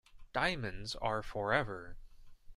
Diamonds are forever.